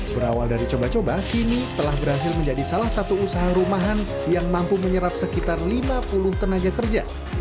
berawal dari coba coba kini telah berhasil menjadi salah satu usaha rumahan yang mampu menyerap sekitar lima puluh tenaga kerja